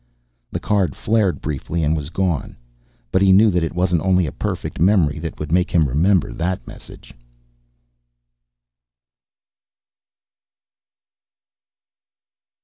_ The card flared briefly and was gone. But he knew that it wasn't only a perfect memory that would make him remember that message.